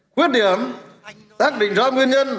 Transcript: quyết điểm tác định ra nguyên nhân